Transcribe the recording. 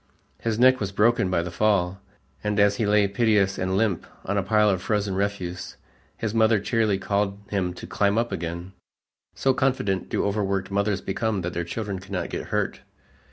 His neck was broken by the fall, and as he lay piteous and limp on a pile of frozen refuse, his mother cheerily called him to "climb up again," so confident do overworked mothers become that their children cannot get hurt.